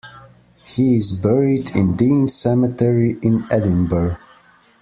He is buried in Dean Cemetery in Edinburgh.